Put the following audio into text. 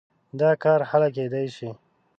دا کار هله کېدای شي.